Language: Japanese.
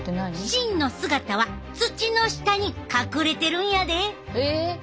真の姿は土の下に隠れてるんやで。